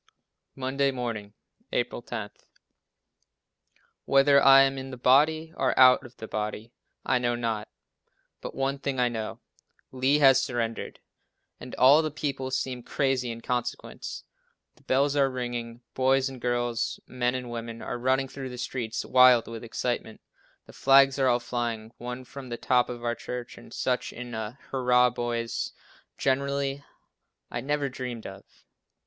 Monday Morning, April 10. "Whether I am in the body, or out of the body, I know not, but one thing I know," Lee has surrendered! and all the people seem crazy in consequence. The bells are ringing, boys and girls, men and women are running through the streets wild with excitement; the flags are all flying, one from the top of our church, and such a "hurrah boys" generally, I never dreamed of.